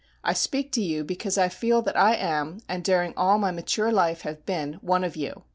I speak to you because I feel that I am, and during all my mature life have been, one of you.